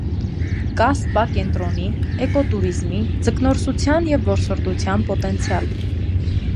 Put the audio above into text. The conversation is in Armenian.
Կա սպա կենտրոնի, էկո տուրիզմի, ձկնորսության և որսորդության պոտենցիալ։